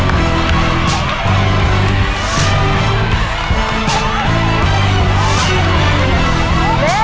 พร้อมแล้วน้องหมดพร้อมแล้วแล้ว